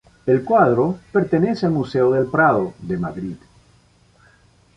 El cuadro pertenece al Museo del Prado de Madrid.